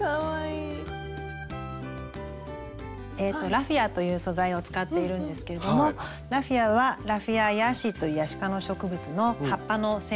ラフィアという素材を使っているんですけれどもラフィアは「ラフィアヤシ」というヤシ科の植物の葉っぱの繊維になります。